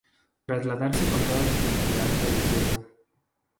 Trasladarse con toda su comunidad religiosa.